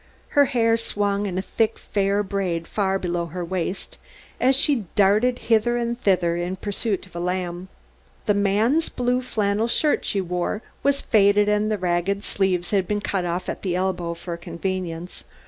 Her hair swung in a thick fair braid far below her waist as she darted hither and thither in pursuit of a lamb. The man's blue flannel shirt she wore was faded and the ragged sleeves had been cut off at the elbow for convenience.